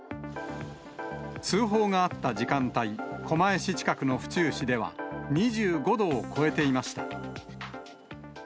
通報があった時間帯、狛江市近くの府中市では、２５度を超えていました。